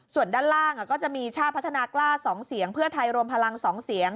ส่วนด้านล่างก็จะมีชาติพัฒนากล้า๒เสียงเพื่อไทยรวมพลัง๒เสียง